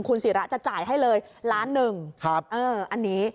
คุณศีระจะจ่ายให้เลย๑ล้านบาทอันนี้